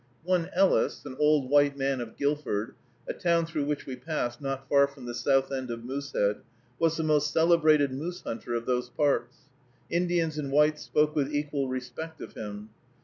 One Ellis, an old white man of Guilford, a town through which we passed, not far from the south end of Moosehead, was the most celebrated moose hunter of those parts. Indians and whites spoke with equal respect of him.